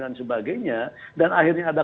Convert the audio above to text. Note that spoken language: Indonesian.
dan sebagainya dan akhirnya ada